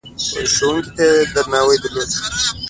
ښوونکو ته يې درناوی درلود.